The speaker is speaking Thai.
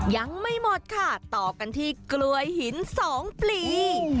ยังไม่หมดค่ะต่อกันที่กลวยหิน๒ปลี